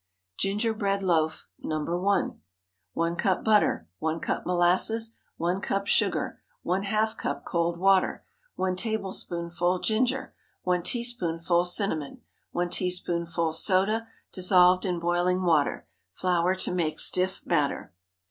GINGERBREAD LOAF (No. 1.) 1 cup butter. 1 cup molasses. 1 cup sugar. ½ cup cold water. 1 tablespoonful ginger. 1 teaspoonful cinnamon. 1 teaspoonful soda, dissolved in boiling water. Flour to make stiff batter.